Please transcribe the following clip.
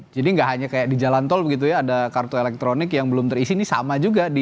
jadi gak hanya kayak di jalan tol begitu ya ada kartu elektronik yang belum terisi ini sama juga